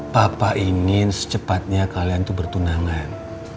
papa ingin secepatnya kalian itu bertunangan